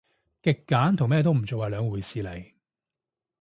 極簡同咩都唔做係兩回事嚟